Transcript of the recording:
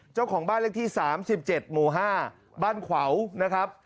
เจ้าของบ้านเลขที่๓๗หมู่๕บ้านขวาวนะครับ